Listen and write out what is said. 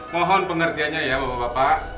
mohon pengertiannya ya bapak bapak